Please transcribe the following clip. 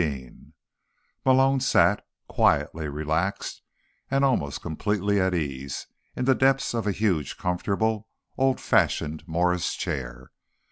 15 Malone sat, quietly relaxed and almost completely at ease, in the depths of a huge, comfortable, old fashioned Morris chair.